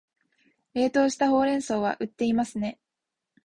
冷凍したほうれん草は売っていますね